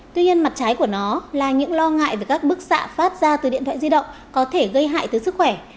tuy nhiên mặt trái của nó là những lo ngại về các bức xạ phát ra từ điện thoại di động có thể gây hại tới sức khỏe